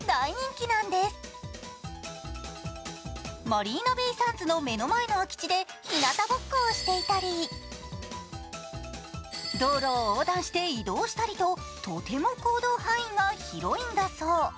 マリーナ・ベイ・サンズの目の前の空き地でひなたぼっこをしていたり、道路を横断して移動したりととても行動範囲が広いんだそう。